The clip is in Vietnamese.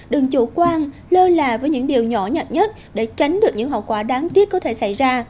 đừng chủ quan lơ là với những điều nhỏ nhạt nhất để tránh được những hậu quả đáng tiếc có thể xảy ra